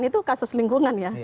itu kasus lingkungan ya